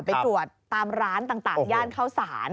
ไปตรวจตามร้านต่างย่านเข้าสาร